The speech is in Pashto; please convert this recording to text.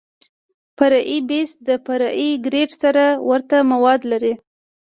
فرعي بیس د فرعي ګریډ سره ورته مواد لري